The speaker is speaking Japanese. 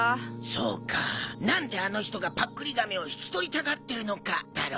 そうかなんであの人がパックリ亀を引き取りたがってるのかだろ？